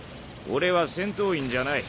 俺は戦闘員じゃない。